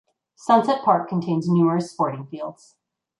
Sunset Park contains numerous sporting fields.